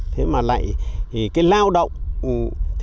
thế mà lại thì cái lao động khỏe thì